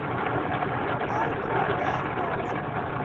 La aŭto atendas.